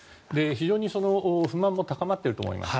非常に不満も高まっていると思います。